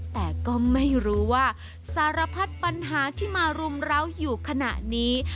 แต่ก็ไม่รู้ว่าสารพัดปัญหาที่มารุมร้าวอยู่ขณะนี้